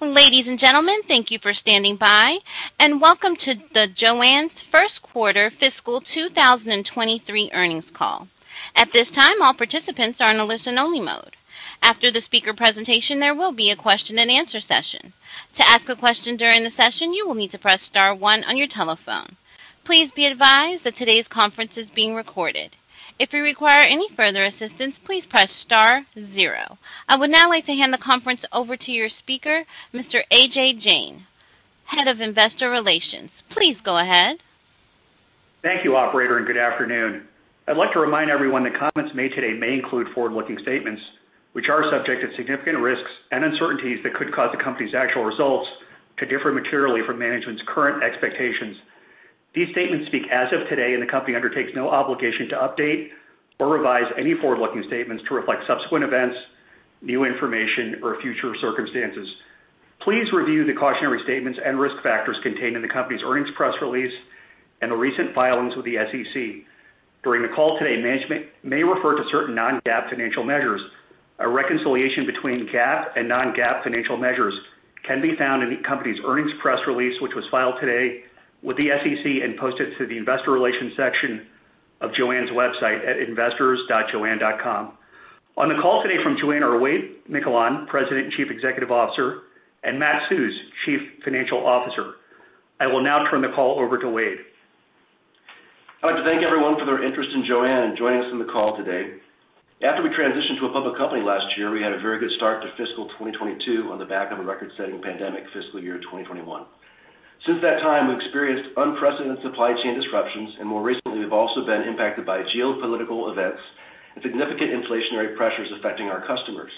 Ladies and gentlemen, thank you for standing by, and welcome to the JOANN's First Quarter Fiscal 2023 Earnings Call. At this time, all participants are in a listen only mode. After the speaker presentation, there will be a question and answer session. To ask a question during the session, you will need to press star one on your telephone. Please be advised that today's conference is being recorded. If you require any further assistance, please press star zero. I would now like to hand the conference over to your speaker, Mr. Ajay Jain, Head of Investor Relations. Please go ahead. Thank you, operator, and good afternoon. I'd like to remind everyone that comments made today may include forward-looking statements, which are subject to significant risks and uncertainties that could cause the company's actual results to differ materially from management's current expectations. These statements speak as of today, and the company undertakes no obligation to update or revise any forward-looking statements to reflect subsequent events, new information, or future circumstances. Please review the cautionary statements and risk factors contained in the company's earnings press release and the recent filings with the SEC. During the call today, management may refer to certain non-GAAP financial measures. A reconciliation between GAAP and non-GAAP financial measures can be found in the company's earnings press release, which was filed today with the SEC and posted to the investor relations section of JOANN's website at investors.joann.com. On the call today from JOANN are Wade Miquelon, President and Chief Executive Officer, and Matt Susz, Chief Financial Officer. I will now turn the call over to Wade. I'd like to thank everyone for their interest in JOANN and joining us on the call today. After we transitioned to a public company last year, we had a very good start to fiscal 2022 on the back of a record-setting pandemic fiscal year 2021. Since that time, we've experienced unprecedented supply chain disruptions, and more recently, we've also been impacted by geopolitical events and significant inflationary pressures affecting our customers.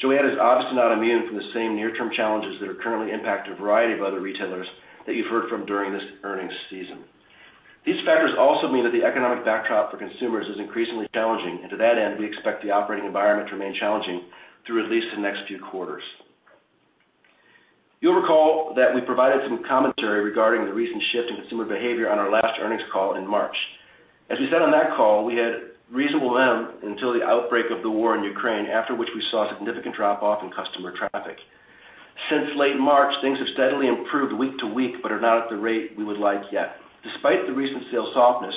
JOANN is obviously not immune from the same near-term challenges that are currently impacting a variety of other retailers that you've heard from during this earnings season. These factors also mean that the economic backdrop for consumers is increasingly challenging. To that end, we expect the operating environment to remain challenging through at least the next few quarters. You'll recall that we provided some commentary regarding the recent shift in consumer behavior on our last earnings call in March. As we said on that call, we had reasonable momentum until the outbreak of the war in Ukraine, after which we saw a significant drop-off in customer traffic. Since late March, things have steadily improved week to week, but are not at the rate we would like yet. Despite the recent sales softness,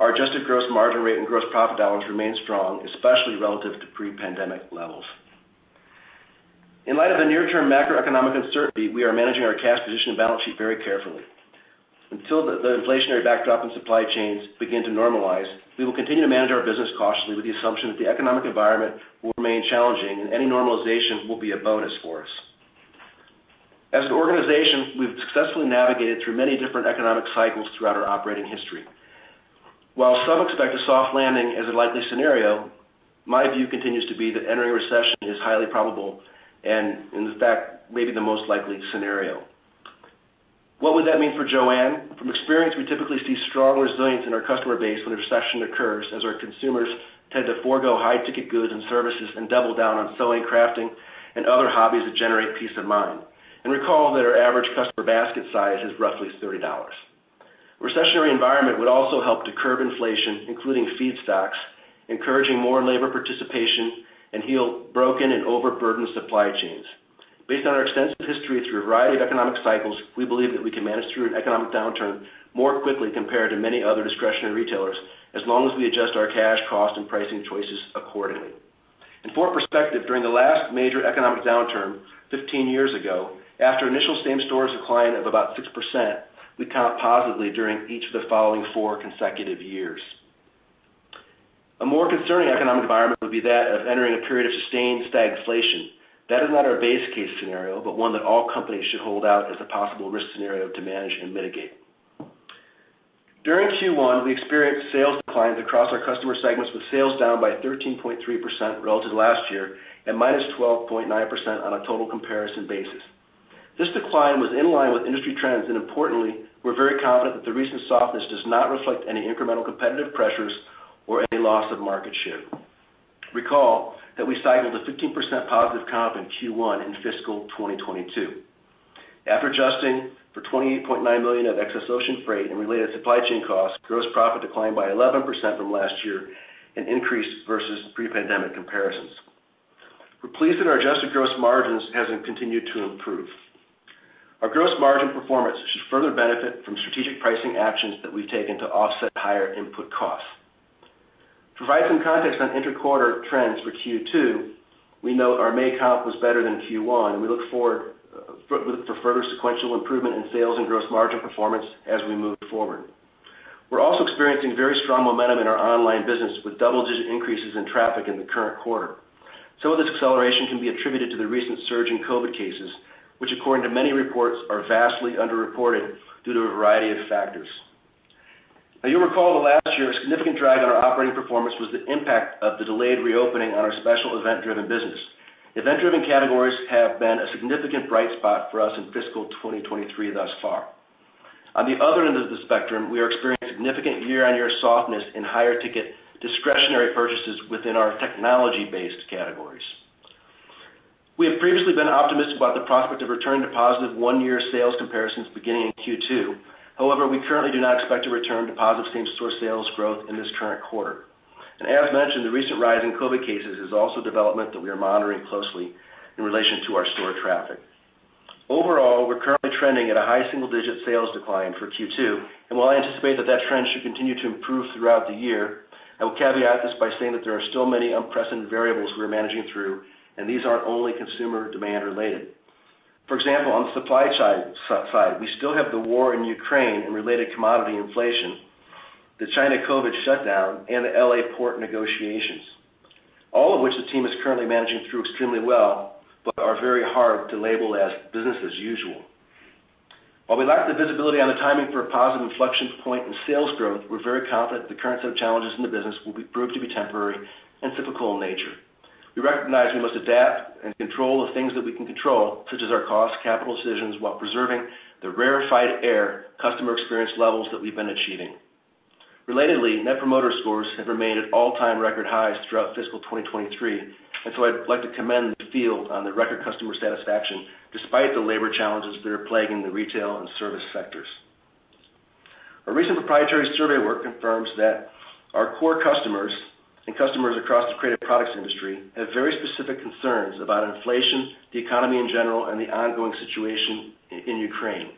our adjusted gross margin rate and gross profit dollars remain strong, especially relative to pre-pandemic levels. In light of the near-term macroeconomic uncertainty, we are managing our cash position and balance sheet very carefully. Until the inflationary backdrop and supply chains begin to normalize, we will continue to manage our business cautiously with the assumption that the economic environment will remain challenging, and any normalization will be a bonus for us. As an organization, we've successfully navigated through many different economic cycles throughout our operating history. While some expect a soft landing as a likely scenario, my view continues to be that entering a recession is highly probable and, in fact, may be the most likely scenario. What would that mean for JOANN? From experience, we typically see strong resilience in our customer base when a recession occurs, as our consumers tend to forgo high-ticket goods and services and double down on sewing, crafting, and other hobbies that generate peace of mind. Recall that our average customer basket size is roughly $30. Recessionary environment would also help to curb inflation, including feedstocks, encouraging more labor participation, and heal broken and overburdened supply chains. Based on our extensive history through a variety of economic cycles, we believe that we can manage through an economic downturn more quickly compared to many other discretionary retailers, as long as we adjust our cash cost and pricing choices accordingly. For perspective, during the last major economic downturn 15 years ago, after initial same-store decline of about 6%, we comped positively during each of the following 4 consecutive years. A more concerning economic environment would be that of entering a period of sustained stagflation. That is not our base case scenario, but one that all companies should hold out as a possible risk scenario to manage and mitigate. During Q1, we experienced sales declines across our customer segments, with sales down by 13.3% relative to last year and -12.9% on a total comparison basis. This decline was in line with industry trends, and importantly, we're very confident that the recent softness does not reflect any incremental competitive pressures or any loss of market share. Recall that we cycled a 15% positive comp in Q1 in fiscal 2022. After adjusting for $28.9 million of excess ocean freight and related supply chain costs, gross profit declined by 11% from last year and increased versus pre-pandemic comparisons. We're pleased that our adjusted gross margins has continued to improve. Our gross margin performance should further benefit from strategic pricing actions that we've taken to offset higher input costs. To provide some context on inter-quarter trends for Q2, we note our May comp was better than Q1, and we look forward for further sequential improvement in sales and gross margin performance as we move forward. We're also experiencing very strong momentum in our online business, with double-digit increases in traffic in the current quarter. Some of this acceleration can be attributed to the recent surge in COVID cases, which, according to many reports, are vastly underreported due to a variety of factors. Now, you'll recall that last year, a significant drag on our operating performance was the impact of the delayed reopening on our special event-driven business. Event-driven categories have been a significant bright spot for us in fiscal 2023 thus far. On the other end of the spectrum, we are experiencing significant year-on-year softness in higher-ticket discretionary purchases within our technology-based categories. We have previously been optimistic about the prospect of returning to positive one-year sales comparisons beginning in Q2. However, we currently do not expect to return to positive same-store sales growth in this current quarter. As mentioned, the recent rise in COVID cases is also a development that we are monitoring closely in relation to our store traffic. Overall, we're currently trending at a high single-digit sales decline for Q2, and while I anticipate that trend should continue to improve throughout the year, I will caveat this by saying that there are still many unprecedented variables we're managing through, and these aren't only consumer demand related. For example, on the supply side, we still have the war in Ukraine and related commodity inflation, the China COVID shutdown, and the L.A. port negotiations, all of which the team is currently managing through extremely well but are very hard to label as business as usual. While we lack the visibility on the timing for a positive inflection point in sales growth, we're very confident the current set of challenges in the business will prove to be temporary and cyclical in nature. We recognize we must adapt and control the things that we can control, such as our cost and capital decisions, while preserving the rarefied air customer experience levels that we've been achieving. Relatedly, Net Promoter Scores have remained at all-time record highs throughout fiscal 2023, so I'd like to commend the field on the record customer satisfaction despite the labor challenges that are plaguing the retail and service sectors. Our recent proprietary survey work confirms that our core customers and customers across the creative products industry have very specific concerns about inflation, the economy in general, and the ongoing situation in Ukraine.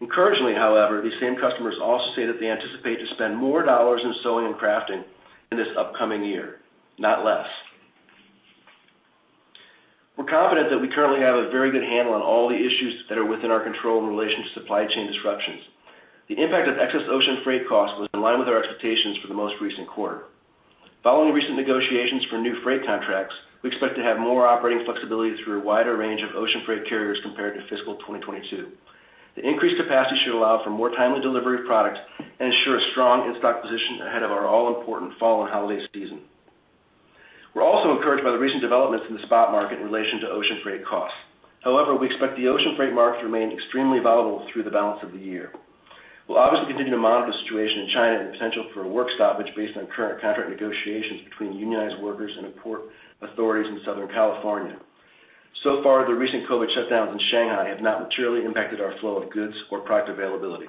Encouragingly, however, these same customers also say that they anticipate to spend more dollars in sewing and crafting in this upcoming year, not less. We're confident that we currently have a very good handle on all the issues that are within our control in relation to supply chain disruptions. The impact of excess ocean freight costs was in line with our expectations for the most recent quarter. Following recent negotiations for new freight contracts, we expect to have more operating flexibility through a wider range of ocean freight carriers compared to fiscal 2022. The increased capacity should allow for more timely delivery of product and ensure a strong in-stock position ahead of our all-important fall and holiday season. We're also encouraged by the recent developments in the spot market in relation to ocean freight costs. However, we expect the ocean freight market to remain extremely volatile through the balance of the year. We'll obviously continue to monitor the situation in China and the potential for a work stoppage based on current contract negotiations between unionized workers and the port authorities in Southern California. So far, the recent COVID shutdowns in Shanghai have not materially impacted our flow of goods or product availability.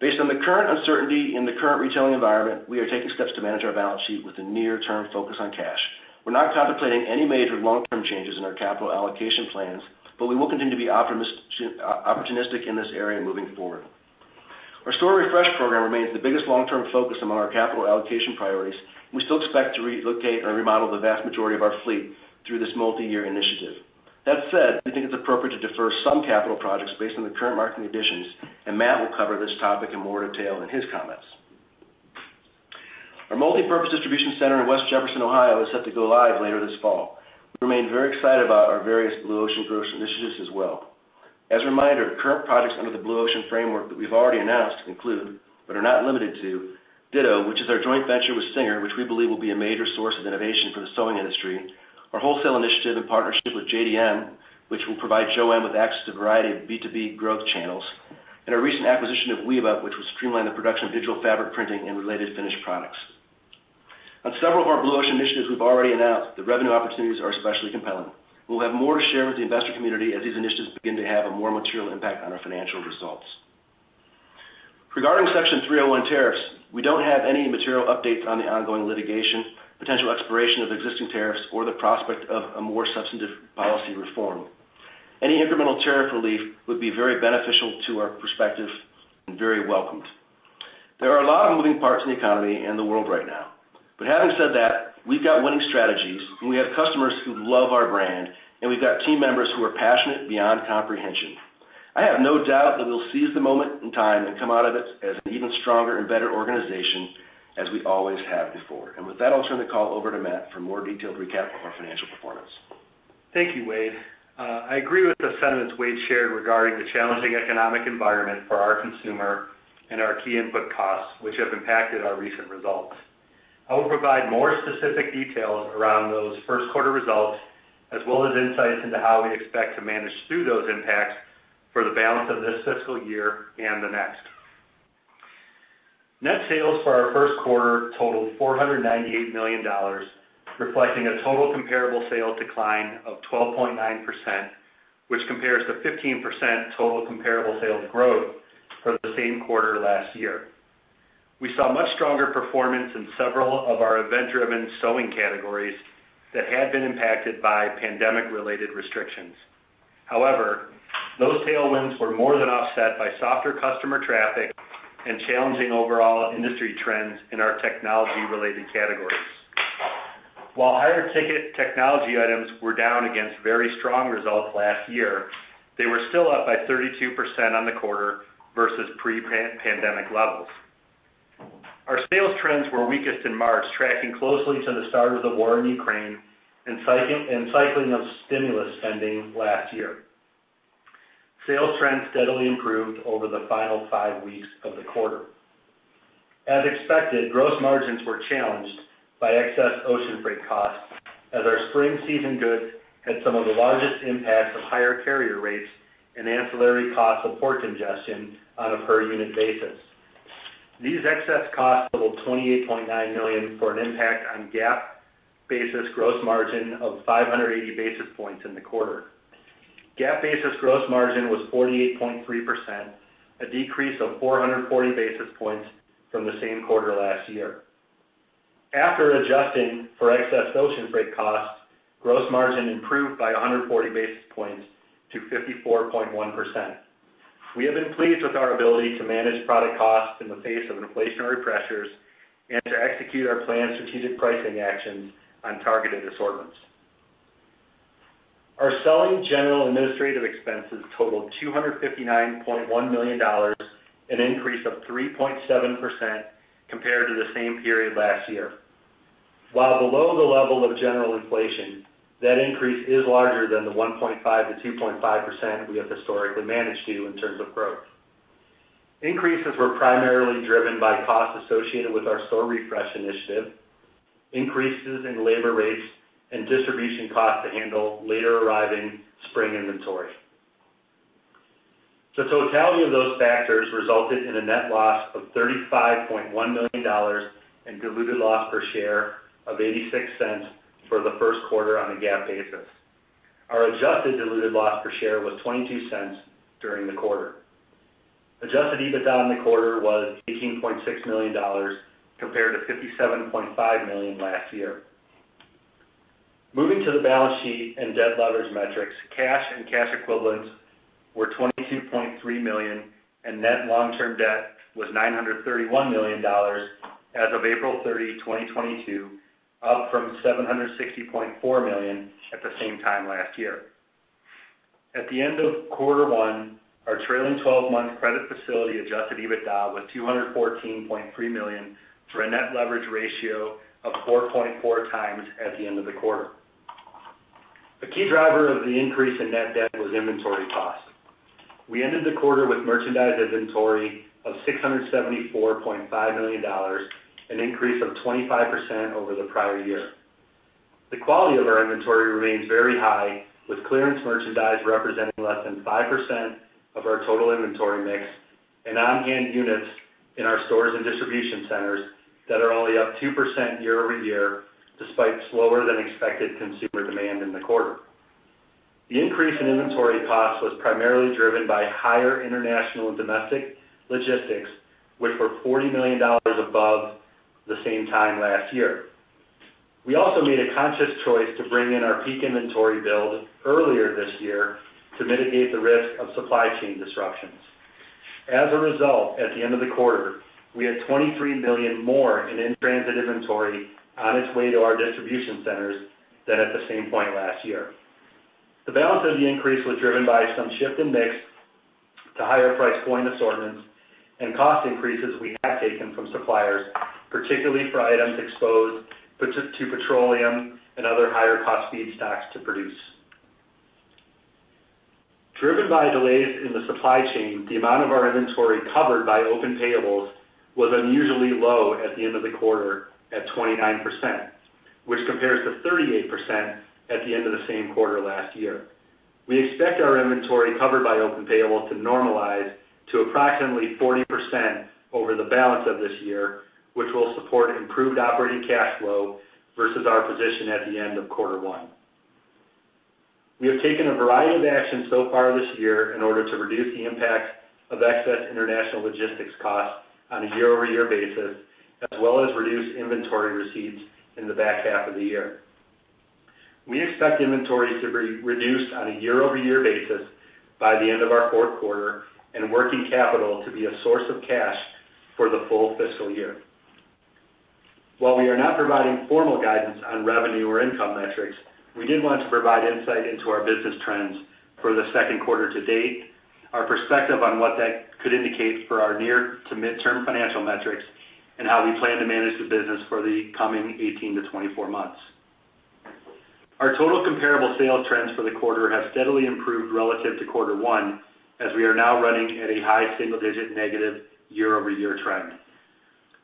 Based on the current uncertainty in the current retailing environment, we are taking steps to manage our balance sheet with a near-term focus on cash. We're not contemplating any major long-term changes in our capital allocation plans, but we will continue to be opportunistic in this area moving forward. Our store refresh program remains the biggest long-term focus among our capital allocation priorities, and we still expect to relocate or remodel the vast majority of our fleet through this multiyear initiative. That said, we think it's appropriate to defer some capital projects based on the current market conditions, and Matt will cover this topic in more detail in his comments. Our multipurpose distribution center in West Jefferson, Ohio, is set to go live later this fall. We remain very excited about our various Blue Ocean growth initiatives as well. As a reminder, current projects under the Blue Ocean framework that we've already announced include, but are not limited to, Ditto, which is our joint venture with Singer, which we believe will be a major source of innovation for the sewing industry, our wholesale initiative in partnership with JDM, which will provide JOANN with access to a variety of B2B growth channels, and our recent acquisition of WeaveUp, which will streamline the production of digital fabric printing and related finished products. On several of our Blue Ocean initiatives we've already announced, the revenue opportunities are especially compelling. We'll have more to share with the investor community as these initiatives begin to have a more material impact on our financial results. Regarding Section 301 tariffs, we don't have any material updates on the ongoing litigation, potential expiration of existing tariffs, or the prospect of a more substantive policy reform. Any incremental tariff relief would be very beneficial to our perspective and very welcomed. There are a lot of moving parts in the economy and the world right now, but having said that, we've got winning strategies, and we have customers who love our brand, and we've got team members who are passionate beyond comprehension. I have no doubt that we'll seize the moment in time and come out of it as an even stronger and better organization, as we always have before. With that, I'll turn the call over to Matt for a more detailed recap of our financial performance. Thank you, Wade. I agree with the sentiments Wade shared regarding the challenging economic environment for our consumer and our key input costs, which have impacted our recent results. I will provide more specific details around those first quarter results, as well as insights into how we expect to manage through those impacts for the balance of this fiscal year and the next. Net sales for our first quarter totaled $498 million, reflecting a total comparable sales decline of 12.9%, which compares to 15% total comparable sales growth for the same quarter last year. We saw much stronger performance in several of our event-driven sewing categories that had been impacted by pandemic-related restrictions. However, those tailwinds were more than offset by softer customer traffic and challenging overall industry trends in our technology-related categories. While higher-ticket technology items were down against very strong results last year, they were still up by 32% on the quarter versus pre-pandemic levels. Our sales trends were weakest in March, tracking closely to the start of the war in Ukraine and cycling of stimulus spending last year. Sales trends steadily improved over the final five weeks of the quarter. As expected, gross margins were challenged by excess ocean freight costs as our spring season goods had some of the largest impacts of higher carrier rates and ancillary costs of port congestion on a per-unit basis. These excess costs totaled $28.9 million for an impact on GAAP basis gross margin of 580 basis points in the quarter. GAAP basis gross margin was 48.3%, a decrease of 440 basis points from the same quarter last year. After adjusting for excess ocean freight costs, gross margin improved by 140 basis points to 54.1%. We have been pleased with our ability to manage product costs in the face of inflationary pressures and to execute our planned strategic pricing actions on targeted assortments. Our selling general administrative expenses totaled $259.1 million, an increase of 3.7% compared to the same period last year. While below the level of general inflation, that increase is larger than the 1.5%-2.5% we have historically managed to in terms of growth. Increases were primarily driven by costs associated with our store refresh initiative, increases in labor rates, and distribution costs to handle later arriving spring inventory. The totality of those factors resulted in a net loss of $35.1 million and diluted loss per share of $0.86 for the first quarter on a GAAP basis. Our adjusted diluted loss per share was $0.22 during the quarter. Adjusted EBITDA in the quarter was $18.6 million compared to $57.5 million last year. Moving to the balance sheet and debt levers metrics, cash and cash equivalents were $22.3 million, and net long-term debt was $931 million as of April 30, 2022, up from $760.4 million at the same time last year. At the end of quarter one, our trailing twelve-month credit facility Adjusted EBITDA was $214.3 million for a net leverage ratio of 4.4x at the end of the quarter. A key driver of the increase in net debt was inventory costs. We ended the quarter with merchandise inventory of $674.5 million, an increase of 25% over the prior year. The quality of our inventory remains very high, with clearance merchandise representing less than 5% of our total inventory mix and on-hand units in our stores and distribution centers that are only up 2% year-over-year despite slower than expected consumer demand in the quarter. The increase in inventory costs was primarily driven by higher international and domestic logistics, which were $40 million above the same time last year. We also made a conscious choice to bring in our peak inventory build earlier this year to mitigate the risk of supply chain disruptions. As a result, at the end of the quarter, we had 23 million more in-transit inventory on its way to our distribution centers than at the same point last year. The balance of the increase was driven by some shift in mix to higher price point assortments and cost increases we have taken from suppliers, particularly for items exposed to petroleum and other higher cost feedstocks to produce. Driven by delays in the supply chain, the amount of our inventory covered by open payables was unusually low at the end of the quarter at 29%, which compares to 38% at the end of the same quarter last year. We expect our inventory covered by open payables to normalize to approximately 40% over the balance of this year, which will support improved operating cash flow versus our position at the end of quarter one. We have taken a variety of actions so far this year in order to reduce the impact of excess international logistics costs on a year-over-year basis, as well as reduce inventory receipts in the back half of the year. We expect inventory to be reduced on a year-over-year basis by the end of our fourth quarter and working capital to be a source of cash for the full fiscal year. While we are not providing formal guidance on revenue or income metrics, we did want to provide insight into our business trends for the second quarter to date, our perspective on what that could indicate for our near to midterm financial metrics, and how we plan to manage the business for the coming 18-24 months. Our total comparable sales trends for the quarter have steadily improved relative to quarter one, as we are now running at a high single digit negative year-over-year trend.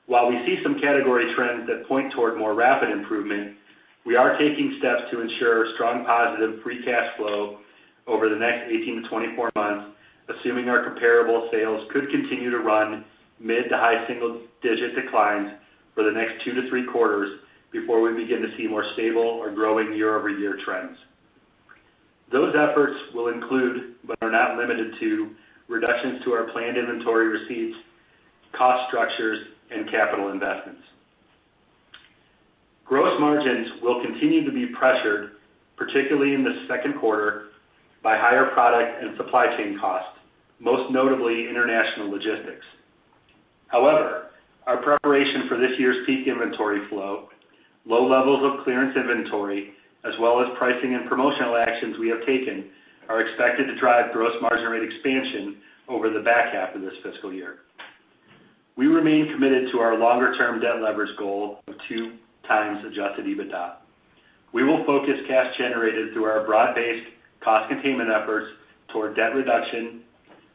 While we see some category trends that point toward more rapid improvement, we are taking steps to ensure strong positive free cash flow over the next 18-24 months, assuming our comparable sales could continue to run mid- to high single digit declines for the next 2-3 quarters before we begin to see more stable or growing year-over-year trends. Those efforts will include, but are not limited to, reductions to our planned inventory receipts, cost structures, and capital investments. Gross margins will continue to be pressured, particularly in the second quarter, by higher product and supply chain costs, most notably international logistics. However, our preparation for this year's peak inventory flow, low levels of clearance inventory, as well as pricing and promotional actions we have taken are expected to drive gross margin rate expansion over the back half of this fiscal year. We remain committed to our longer term debt leverage goal of 2x adjusted EBITDA. We will focus cash generated through our broad-based cost containment efforts toward debt reduction,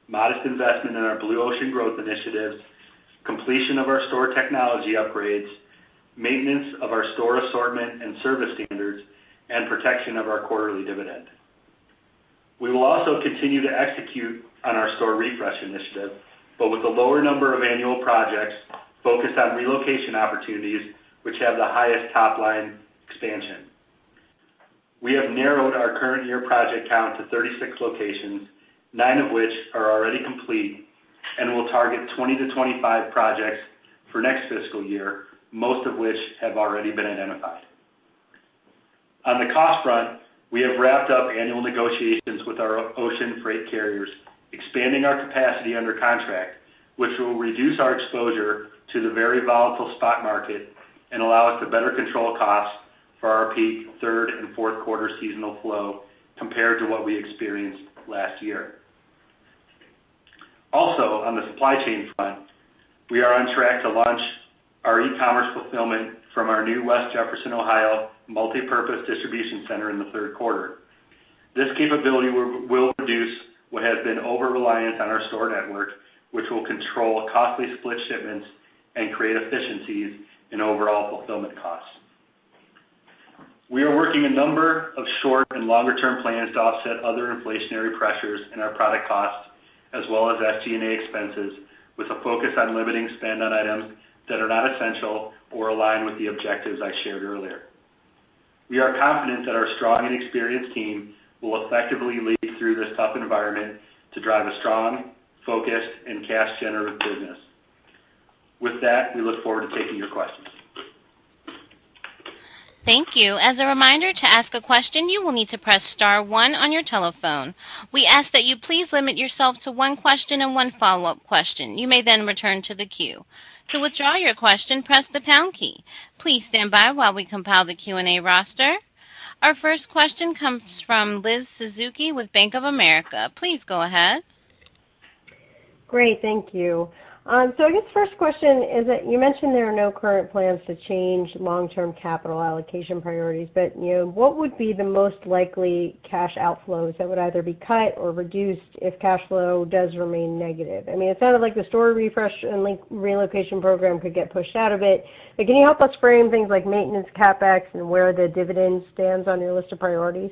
modest investment in our Blue Ocean growth initiatives, completion of our store technology upgrades, maintenance of our store assortment and service standards, and protection of our quarterly dividend. We will also continue to execute on our store refresh initiative, but with a lower number of annual projects focused on relocation opportunities which have the highest top-line expansion. We have narrowed our current year project count to 36 locations, 9 of which are already complete, and we'll target 20-25 projects for next fiscal year, most of which have already been identified. On the cost front, we have wrapped up annual negotiations with our ocean freight carriers, expanding our capacity under contract, which will reduce our exposure to the very volatile spot market and allow us to better control costs for our peak third and fourth quarter seasonal flow compared to what we experienced last year. On the supply chain front, we are on track to launch our e-commerce fulfillment from our new West Jefferson, Ohio multipurpose distribution center in the third quarter. This capability will reduce what has been overreliance on our store network, which will control costly split shipments and create efficiencies in overall fulfillment costs. We are working a number of short and longer term plans to offset other inflationary pressures in our product costs as well as SG&A expenses, with a focus on limiting spend on items that are not essential or align with the objectives I shared earlier. We are confident that our strong and experienced team will effectively lead through this tough environment to drive a strong, focused, and cash-generative business. With that, we look forward to taking your questions. Thank you. As a reminder, to ask a question, you will need to press star one on your telephone. We ask that you please limit yourself to one question and one follow-up question. You may then return to the queue. To withdraw your question, press the pound key. Please stand by while we compile the Q&A roster. Our first question comes from Liz Suzuki with Bank of America. Please go ahead. Great. Thank you. I guess first question is that you mentioned there are no current plans to change long-term capital allocation priorities, but, you know, what would be the most likely cash outflows that would either be cut or reduced if cash flow does remain negative? I mean, it sounded like the store refresh and relocation program could get pushed out a bit. But can you help us frame things like maintenance, CapEx, and where the dividend stands on your list of priorities?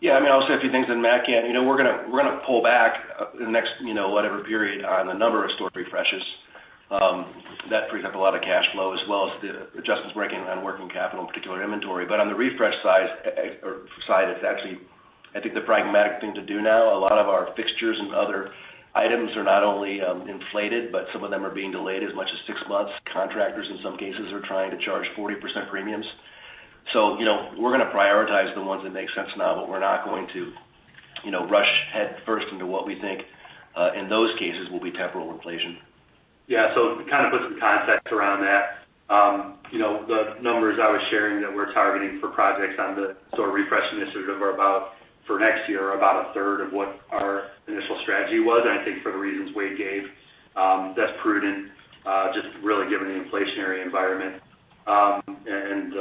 Yeah. I mean, I'll say a few things, and Matt can. You know, we're gonna pull back in the next, you know, whatever period on the number of store refreshes, that free up a lot of cash flow, as well as the adjustments we're making on working capital, in particular inventory. On the refresh side, it's actually, I think, the pragmatic thing to do now. A lot of our fixtures and other items are not only inflated, but some of them are being delayed as much as six months. Contractors in some cases are trying to charge 40% premiums. You know, we're gonna prioritize the ones that make sense now, but we're not going to, you know, rush headfirst into what we think, in those cases will be temporal inflation. To kind of put some context around that, the numbers I was sharing that we're targeting for projects on the sort of refresh initiative for next year are about a third of what our initial strategy was. I think for the reasons Wade gave, that's prudent, just really given the inflationary environment and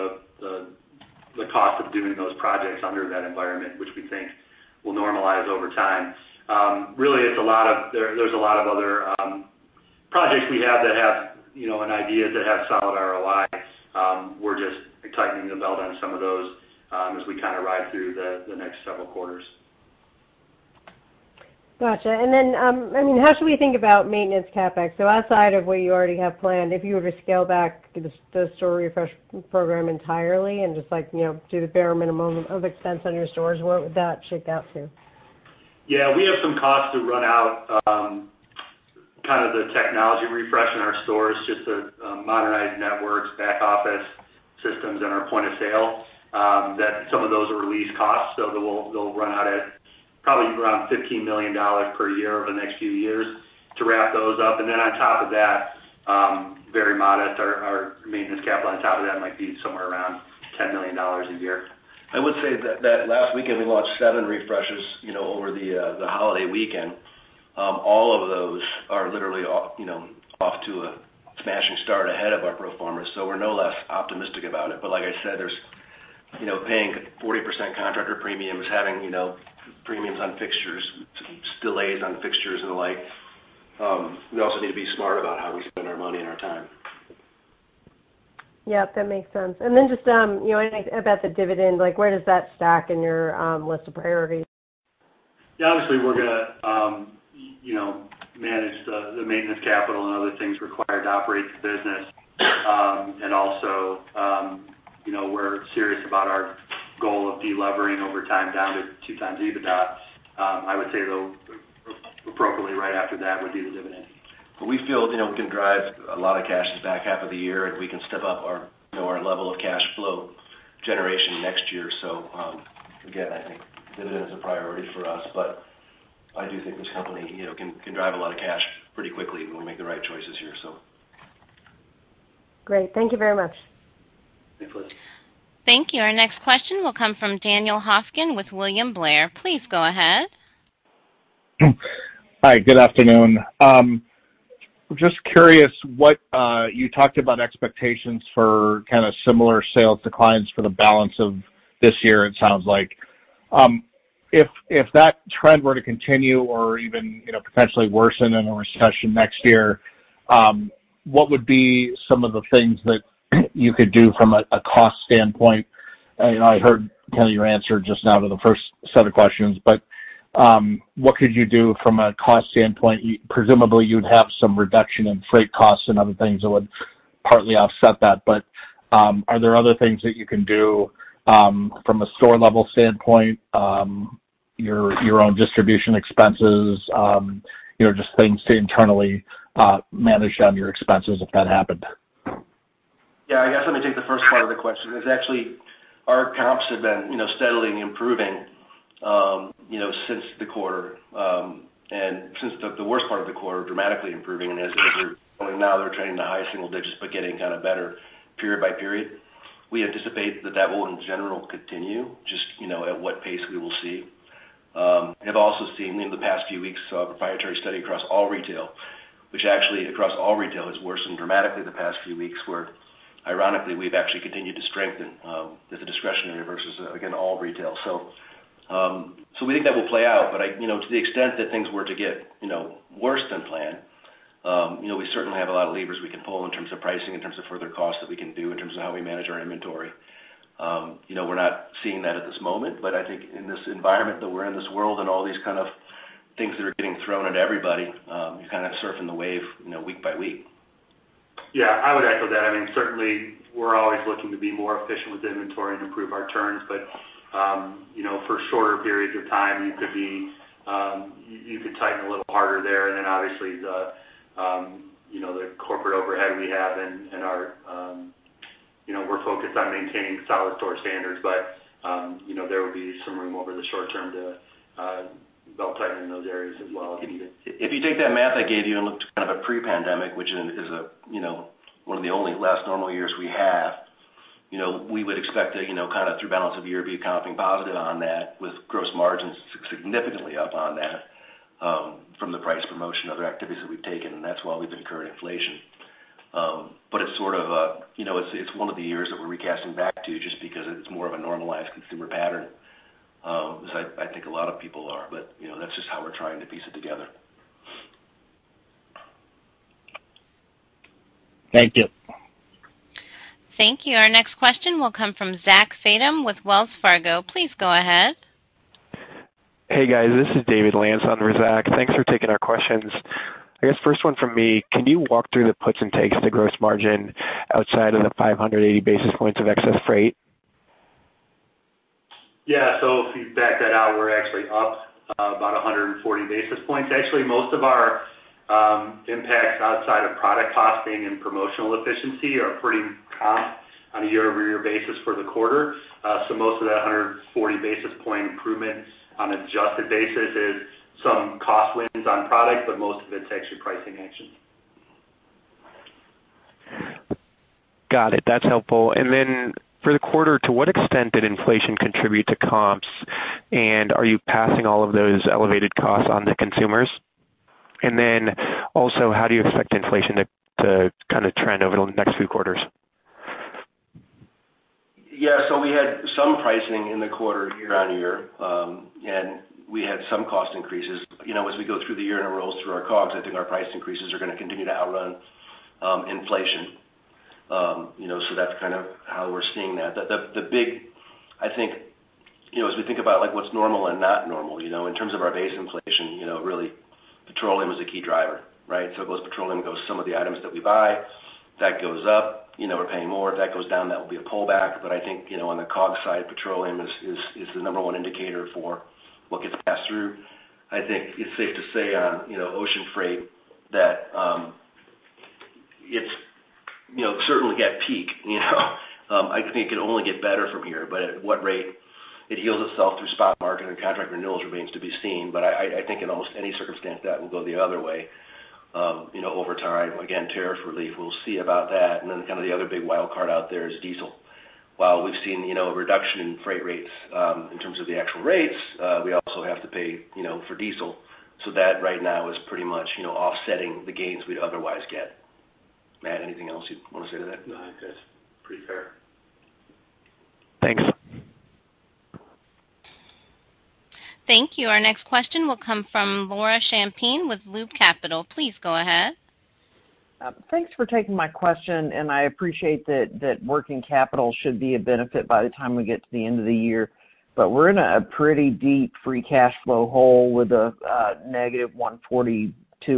the cost of doing those projects under that environment, which we think will normalize over time. Really, there's a lot of other projects we have that have solid ROIs. We're just tightening the belt on some of those as we kind of ride through the next several quarters. Gotcha. I mean, how should we think about maintenance CapEx? Outside of what you already have planned, if you were to scale back the store refresh program entirely and just, like, you know, do the bare minimum of expense on your stores, where would that shake out to? We have some costs to run out, kind of the technology refresh in our stores, just to modernize networks, back office systems in our point of sale, that some of those are lease costs. They'll run out at probably around $15 million per year over the next few years to wrap those up. On top of that, very modest, our maintenance CapEx on top of that might be somewhere around $10 million a year. I would say that last weekend, we launched seven refreshes, you know, over the holiday weekend. All of those are literally off to a smashing start ahead of our pro formas. We're no less optimistic about it. Like I said, there's, you know, paying 40% contractor premiums, having, you know, premiums on fixtures, delays on fixtures and the like. We also need to be smart about how we spend our money and our time. Yep, that makes sense. Just, you know, about the dividend, like, where does that stack in your list of priorities? Yeah. Obviously, we're gonna manage the maintenance capital and other things required to operate the business. We're serious about our goal of delevering over time down to 2x EBITDA. I would say, though, appropriately right after that would be the dividend. We feel, you know, we can drive a lot of cash the back half of the year, and we can step up our, you know, our level of cash flow generation next year. Again, I think dividend is a priority for us. I do think this company, you know, can drive a lot of cash pretty quickly when we make the right choices here, so. Great. Thank you very much. Yeah. Thanks. Thank you. Our next question will come from Daniel Hofkin with William Blair. Please go ahead. Hi. Good afternoon. Just curious what you talked about expectations for kind of similar sales declines for the balance of this year, it sounds like. If that trend were to continue or even, you know, potentially worsen in a recession next year, what would be some of the things that you could do from a cost standpoint? I heard kind of your answer just now to the first set of questions, what could you do from a cost standpoint? Presumably, you'd have some reduction in freight costs and other things that would partly offset that. Are there other things that you can do from a store level standpoint, your own distribution expenses, you know, just things to internally manage down your expenses if that happened? Yeah, I guess, let me take the first part of the question. It is actually our comps have been, you know, steadily improving, you know, since the quarter, and since the worst part of the quarter, dramatically improving. Now they're trending to high single-digits, but getting kind of better period by period. We anticipate that will, in general, continue just, you know, at what pace we will see. We have also seen in the past few weeks a proprietary study across all retail, which actually across all retail has worsened dramatically the past few weeks, where ironically, we've actually continued to strengthen as a discretionary versus, again, all retail. We think that will play out. You know, to the extent that things were to get, you know, worse than planned, you know, we certainly have a lot of levers we can pull in terms of pricing, in terms of further costs that we can do, in terms of how we manage our inventory. You know, we're not seeing that at this moment, but I think in this environment that we're in, this world and all these kind of things that are getting thrown at everybody, you're kind of surfing the wave, you know, week-by-week. Yeah, I would echo that. I mean, certainly we're always looking to be more efficient with inventory and improve our turns, but you know, for shorter periods of time, you could tighten a little harder there. Then obviously, you know, the corporate overhead we have and our you know, we're focused on maintaining solid store standards. You know, there will be some room over the short term to belt-tighten in those areas as well if needed. If you take that math I gave you and looked at kind of a pre-pandemic, which is a, you know, one of the only last normal years we have, you know, we would expect to, you know, kind of through balance of the year be comping positive on that with gross margins significantly up on that, from the price promotion, other activities that we've taken, and that's why we've incurred inflation. It's sort of a, you know, it's one of the years that we're recasting back to just because it's more of a normalized consumer pattern, as I think a lot of people are. You know, that's just how we're trying to piece it together. Thank you. Thank you. Our next question will come from Zach Fadem with Wells Fargo. Please go ahead. Hey, guys. This is David Lantz on for Zach. Thanks for taking our questions. I guess first one from me, can you walk through the puts and takes to gross margin outside of the 580 basis points of excess freight? Yeah. If you back that out, we're actually up about 140 basis points. Actually, most of our impacts outside of product costing and promotional efficiency are pretty comp on a year-over-year basis for the quarter. Most of that 140 basis point improvements on adjusted basis is some cost wins on product, but most of it's actually pricing action. Got it. That's helpful. For the quarter, to what extent did inflation contribute to comps, and are you passing all of those elevated costs on to consumers? How do you expect inflation to kind of trend over the next few quarters? Yeah. We had some pricing in the quarter year-on-year, and we had some cost increases. You know, as we go through the year and it rolls through our COGS, I think our price increases are gonna continue to outrun inflation. You know, that's kind of how we're seeing that. The big, I think, you know, as we think about like what's normal and not normal, you know, in terms of our base inflation, you know, really petroleum is a key driver, right? If petroleum goes up, some of the items that we buy go up. That goes up, you know, we're paying more. If that goes down, that will be a pullback. I think, you know, on the COGS side, petroleum is the number one indicator for what gets passed through. I think it's safe to say on, you know, ocean freight that, it's, you know, certainly at peak, you know. I think it can only get better from here, but at what rate it heals itself through spot market and contract renewals remains to be seen. I think in almost any circumstance that will go the other way, you know, over time. Again, tariff relief, we'll see about that. Then kind of the other big wild card out there is diesel. While we've seen, you know, a reduction in freight rates, in terms of the actual rates, we also have to pay, you know, for diesel. So that right now is pretty much, you know, offsetting the gains we'd otherwise get. Matt, anything else you'd want to say to that? No, I think that's pretty fair. Thanks. Thank you. Our next question will come from Laura Champine with Loop Capital. Please go ahead. Thanks for taking my question, and I appreciate that working capital should be a benefit by the time we get to the end of the year. We're in a pretty deep free cash flow hole with a -$142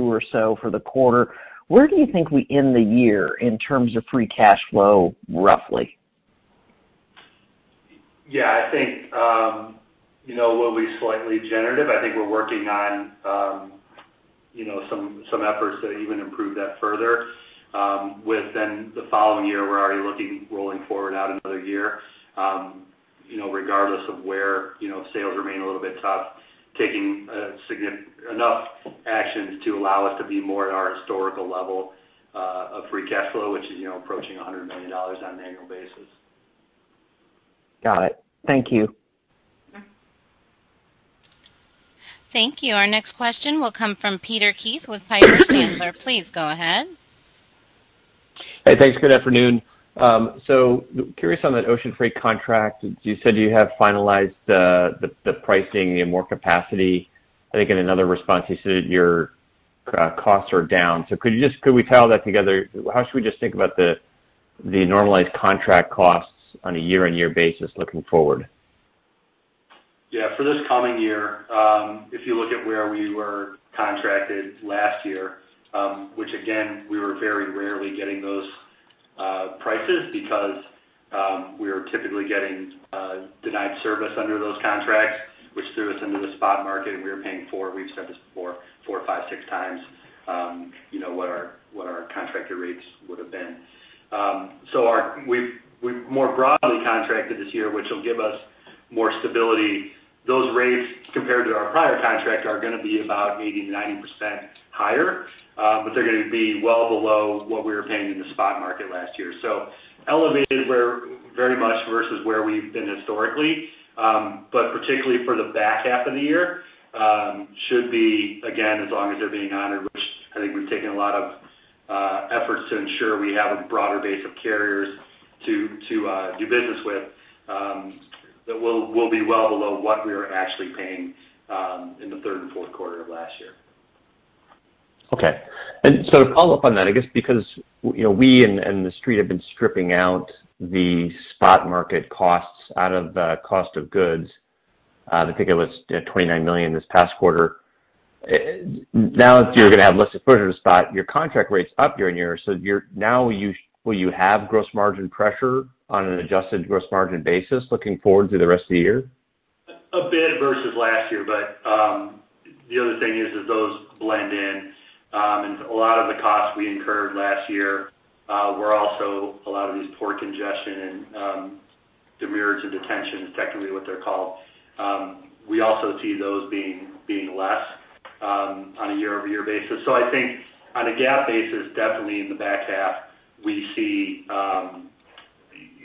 or so for the quarter. Where do you think we end the year in terms of free cash flow, roughly? I think, you know, we'll be slightly generative. I think we're working on, you know, some efforts to even improve that further. Within the following year, we're already looking rolling forward out another year. You know, regardless of where, you know, sales remain a little bit tough, taking significant enough actions to allow us to be more at our historical level of free cash flow, which is, you know, approaching $100 million on an annual basis. Got it. Thank you. Sure. Thank you. Our next question will come from Peter Keith with Piper Sandler. Please go ahead. Hey, thanks. Good afternoon. Curious on that ocean freight contract. You said you have finalized the pricing and more capacity. I think in another response, you said your costs are down. Could we tie all that together? How should we just think about the normalized contract costs on a year-on-year basis looking forward? Yeah. For this coming year, if you look at where we were contracted last year, which again, we were very rarely getting those prices because we were typically getting denied service under those contracts, which threw us into the spot market, and we were paying four, we've said this before, 4, 5, 6x, you know, what our, what our contracted rates would have been. So we've more broadly contracted this year, which will give us more stability. Those rates compared to our prior contract are gonna be about maybe 90% higher, but they're gonna be well below what we were paying in the spot market last year. Elevated where very much versus where we've been historically, but particularly for the back half of the year, should be again, as long as they're being honored, which I think we've taken a lot of efforts to ensure we have a broader base of carriers to do business with, that will be well below what we were actually paying in the third and fourth quarter of last year. Okay. To follow up on that, I guess because, you know, we and the Street have been stripping out the spot market costs out of the cost of goods, I think it was $29 million this past quarter. Now that you're gonna have less exposure to spot, your contract rate's up year-over-year. Will you have gross margin pressure on an adjusted gross margin basis looking forward through the rest of the year? A bit versus last year. The other thing is that those blend in, and a lot of the costs we incurred last year were also a lot of these port congestion and demurrage and detention is technically what they're called. We also see those being less on a year-over-year basis. I think on a GAAP basis, definitely in the back half, we see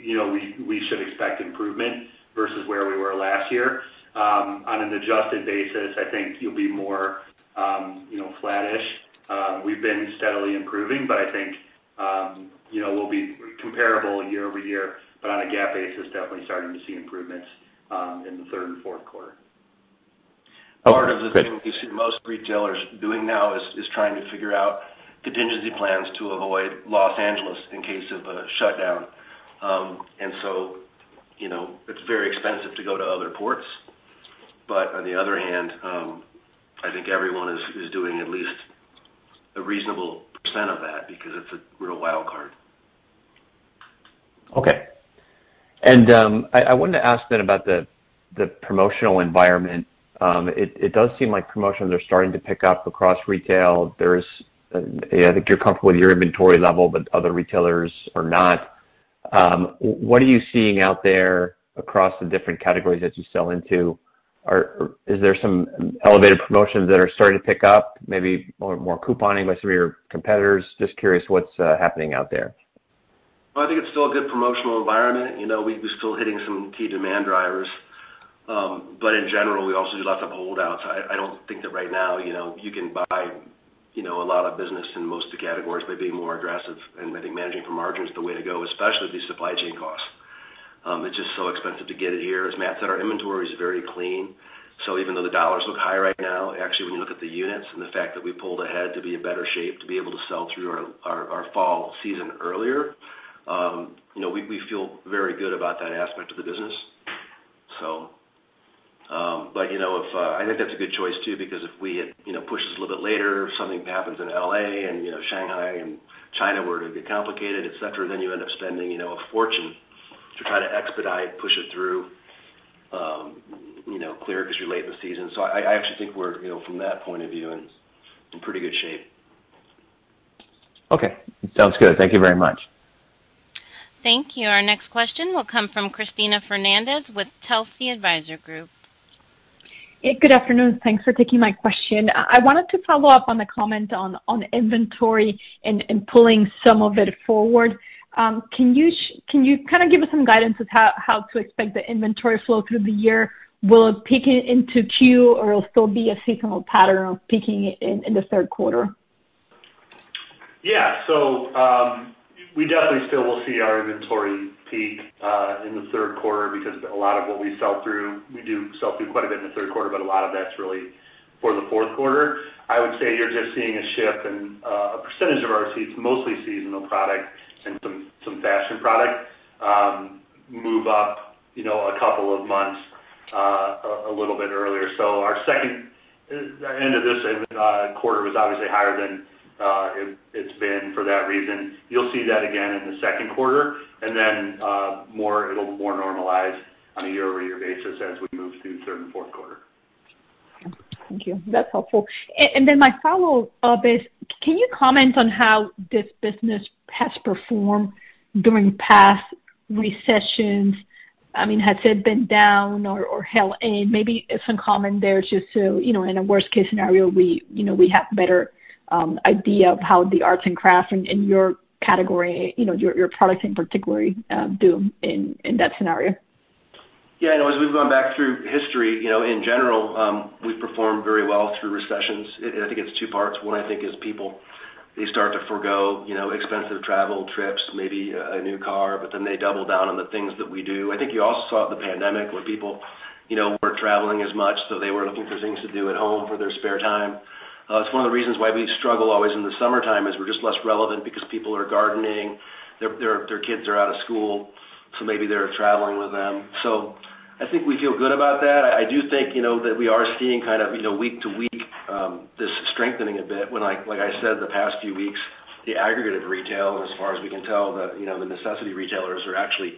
you know we should expect improvement versus where we were last year. On an adjusted basis, I think you'll be more you know flattish. We've been steadily improving, but I think you know we'll be comparable year-over-year, but on a GAAP basis, definitely starting to see improvements in the third and fourth quarter. Okay. Part of the thing we see most retailers doing now is trying to figure out contingency plans to avoid Los Angeles in case of a shutdown. You know, it's very expensive to go to other ports. On the other hand, I think everyone is doing at least a reasonable percent of that because it's a real wild card. Okay. I wanted to ask then about the promotional environment. It does seem like promotions are starting to pick up across retail. I think you're comfortable with your inventory level, but other retailers are not. What are you seeing out there across the different categories that you sell into? Is there some elevated promotions that are starting to pick up, maybe more couponing by some of your competitors? Just curious what's happening out there. Well, I think it's still a good promotional environment. You know, we're still hitting some key demand drivers. In general, we also do lots of holdouts. I don't think that right now, you know, you can buy, you know, a lot of business in most of the categories by being more aggressive, and I think managing for margin is the way to go, especially with these supply chain costs. It's just so expensive to get it here. As Matt said, our inventory is very clean. So even though the dollars look high right now, actually, when you look at the units and the fact that we pulled ahead to be in better shape to be able to sell through our fall season earlier, you know, we feel very good about that aspect of the business. You know, if I think that's a good choice, too, because if we had, you know, pushed this a little bit later, something happens in L.A. and, you know, Shanghai and China were to get complicated, et cetera, then you end up spending, you know, a fortune to try to expedite, push it through, you know, clear because you're late in the season. I actually think we're, you know, from that point of view, in pretty good shape. Okay. Sounds good. Thank you very much. Thank you. Our next question will come from Cristina Fernandez with Telsey Advisory Group. Good afternoon. Thanks for taking my question. I wanted to follow up on the comment on inventory and pulling some of it forward. Can you kind of give us some guidance on how to expect the inventory flow through the year? Will it peak into Q or it'll still be a seasonal pattern of peaking in the third quarter? Yeah. We definitely still will see our inventory peak in the third quarter because a lot of what we sell through, we do sell through quite a bit in the third quarter, but a lot of that's really for the fourth quarter. I would say you're just seeing a shift and a percentage of our receipts, mostly seasonal product and some fashion product, move up, you know, a couple of months, a little bit earlier. Our second quarter end was obviously higher than it's been for that reason. You'll see that again in the second quarter, and then, it'll more normalize on a year-over-year basis as we move through third and fourth quarter. Thank you. That's helpful. My follow-up is, can you comment on how this business has performed during past recessions? I mean, has it been down or held in? Maybe some comment there just so, you know, in a worst-case scenario, we have better idea of how the arts and crafts in your category, you know, your products in particular, do in that scenario. Yeah, I know as we've gone back through history, you know, in general, we've performed very well through recessions. I think it's two parts. One, I think is people They start to forgo, you know, expensive travel trips, maybe a new car, but then they double down on the things that we do. I think you also saw the pandemic where people, you know, weren't traveling as much, so they were looking for things to do at home for their spare time. It's one of the reasons why we struggle always in the summertime, is we're just less relevant because people are gardening. Their kids are out of school, so maybe they're traveling with them. I think we feel good about that. I do think, you know, that we are seeing kind of, you know, week to week, this strengthening a bit. Like I said, the past few weeks, the aggregate of retail as far as we can tell, you know, the necessity retailers are actually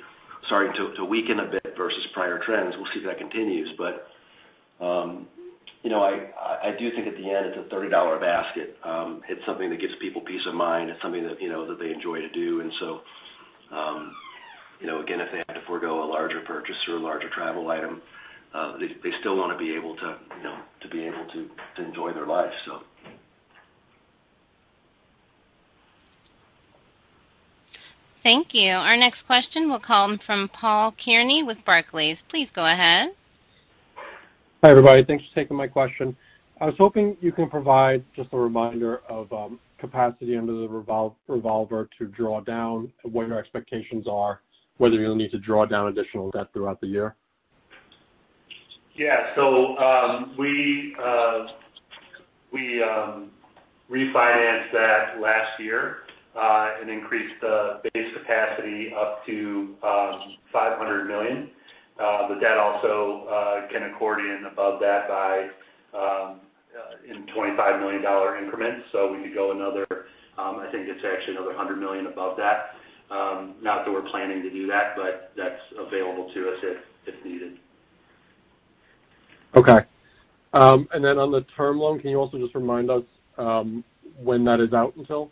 starting to weaken a bit versus prior trends. We'll see if that continues. You know, I do think at the end, it's a $30 basket. It's something that gives people peace of mind. It's something that, you know, that they enjoy to do. You know, again, if they have to forgo a larger purchase or a larger travel item, they still wanna be able to, you know, enjoy their life so. Thank you. Our next question will come from Paul Kearney with Barclays. Please go ahead. Hi, everybody. Thanks for taking my question. I was hoping you can provide just a reminder of capacity under the revolver to draw down and what your expectations are, whether you'll need to draw down additional debt throughout the year. We refinanced that last year and increased the base capacity up to $500 million. The debt also can accordion above that by in $25 million dollar increments. We could go another, I think it's actually another $100 million above that. Not that we're planning to do that, but that's available to us if needed. Okay. On the term loan, can you also just remind us, when that is out until?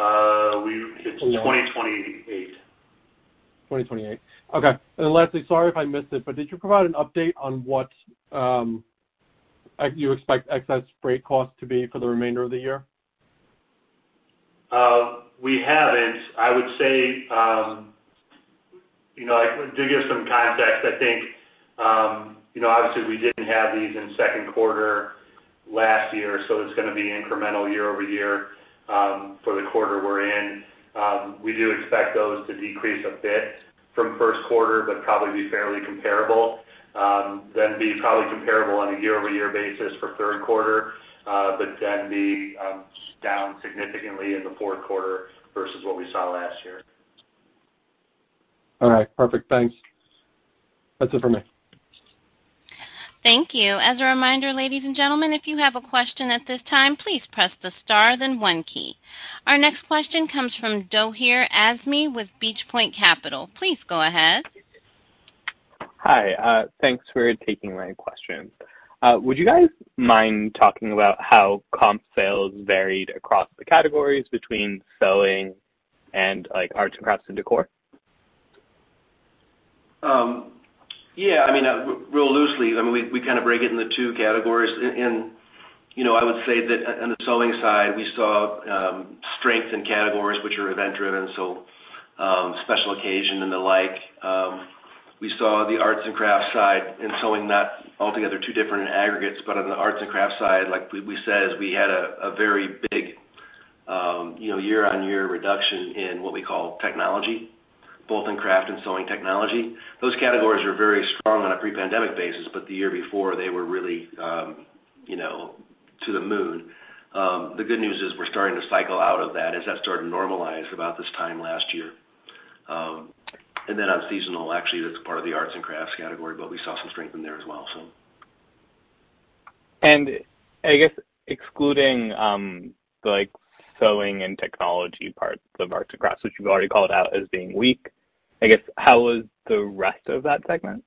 It's 2028. 2028. Okay. Lastly, sorry if I missed it, but did you provide an update on what you expect excess freight costs to be for the remainder of the year? We haven't. I would say, you know, to give some context, I think, you know, obviously, we didn't have these in second quarter last year, so it's gonna be incremental year-over-year for the quarter we're in. We do expect those to decrease a bit from first quarter but probably be fairly comparable, then be probably comparable on a year-over-year basis for third quarter, but then be down significantly in the fourth quarter versus what we saw last year. All right. Perfect. Thanks. That's it for me. Thank you. As a reminder, ladies and gentlemen, if you have a question at this time, please press the star then one key. Our next question comes from Zohair Azmi with Beach Point Capital. Please go ahead. Hi. Thanks for taking my questions. Would you guys mind talking about how comp sales varied across the categories between sewing and, like, arts and crafts and decor? Yeah, I mean, real loosely, I mean, we kind of break it into two categories. You know, I would say that on the sewing side, we saw strength in categories which are event-driven, so special occasion and the like. We saw the arts and crafts side and sewing not altogether two different aggregates. On the arts and crafts side, like we said, we had a very big year-on-year reduction in what we call technology, both in craft and sewing technology. Those categories are very strong on a pre-pandemic basis, but the year before, they were really you know, to the moon. The good news is we're starting to cycle out of that as that started to normalize about this time last year. On seasonal, actually, that's part of the arts and crafts category, but we saw some strength in there as well, so. I guess excluding, like sewing and technology parts of arts and crafts, which you've already called out as being weak, I guess how was the rest of that segment?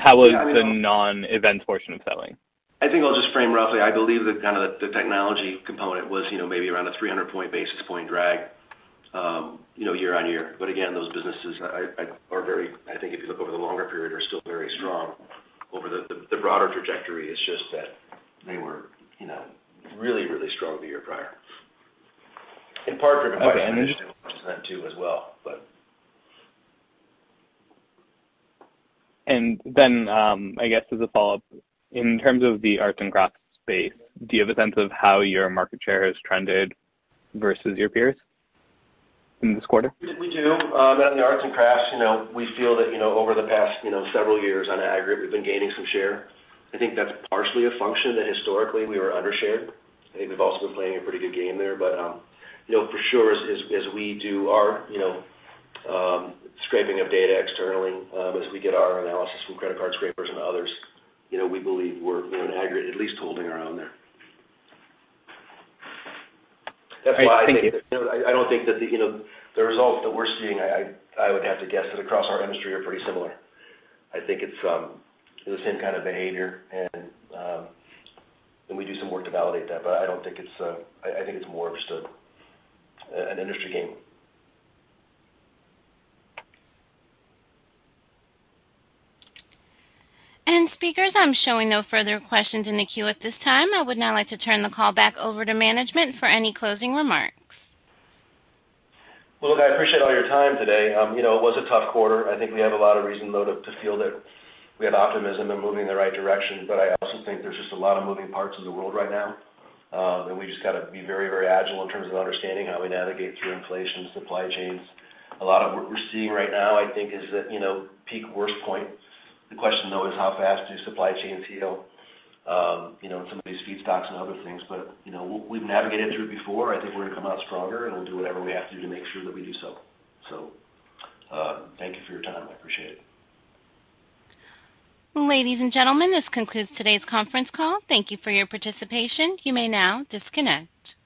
How was the non-apparel portion of sales? I think I'll just frame roughly. I believe that kinda the technology component was, you know, maybe around a 300 basis point drag, you know, year-on-year. Again, those businesses are very strong. I think if you look over the longer period, they are still very strong over the broader trajectory. It's just that they were, you know, really strong the year prior. In part driven by- Okay. -as well, but. I guess as a follow-up, in terms of the arts and crafts space, do you have a sense of how your market share has trended versus your peers in this quarter? We do. In the arts and crafts, you know, we feel that, you know, over the past, you know, several years on aggregate, we've been gaining some share. I think that's partially a function that historically we were undershared. I think we've also been playing a pretty good game there. You know, for sure as we do our, you know, scraping of data externally, as we get our analysis from credit card scrapers and others, you know, we believe we're, you know, in aggregate at least holding our own there. That's why I think you know, I don't think that the you know, the results that we're seeing, I would have to guess that across our industry are pretty similar. I think it's the same kind of behavior and we do some work to validate that, but I don't think it's. I think it's more of just an industry game. Speakers, I'm showing no further questions in the queue at this time. I would now like to turn the call back over to management for any closing remarks. Well, look, I appreciate all your time today. You know, it was a tough quarter. I think we have a lot of reason though to feel that we have optimism and moving in the right direction. I also think there's just a lot of moving parts in the world right now, that we just gotta be very, very agile in terms of understanding how we navigate through inflation, supply chains. A lot of what we're seeing right now, I think, is that, you know, peak worst point. The question though is how fast do supply chains heal, you know, some of these feedstocks and other things. You know, we've navigated through it before. I think we're gonna come out stronger, and we'll do whatever we have to do to make sure that we do so. Thank you for your time. I appreciate it. Ladies and gentlemen, this concludes today's conference call. Thank you for your participation. You may now disconnect.